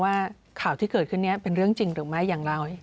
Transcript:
ว่าข่าวที่เกิดขึ้นนี้เป็นเรื่องจริงหรือไม่อย่างไร